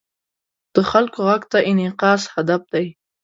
د خلکو غږ ته انعکاس هدف دی.